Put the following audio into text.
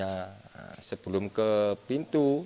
saya sebelum ke pintu